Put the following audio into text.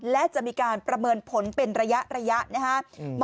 และจะมีการประเมินผลเป็นระยะนะครับ